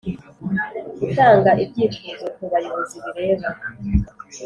gutanga ibyifuzo ku bayobozi bireba